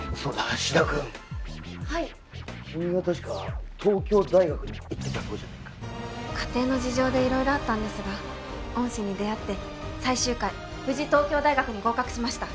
シダ君はい君は確か東京大学に行ってたそうじゃないか家庭の事情で色々あったんですが恩師に出会って最終回無事東京大学に合格しました